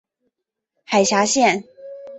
海峡线。